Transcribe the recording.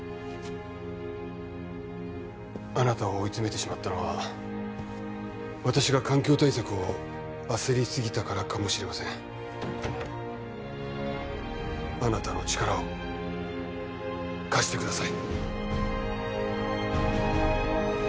あなたを追い詰めてしまったのは私が環境対策を焦りすぎたからかもしれませんあなたの力を貸してください